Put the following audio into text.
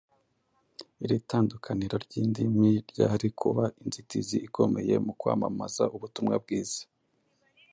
Iri tandukaniro ry’indimi ryari kuba inzitizi ikomeye mu kwamamaza ubutumwa bwiza